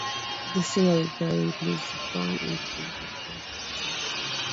The singer regularly includes the song in her live concert sets.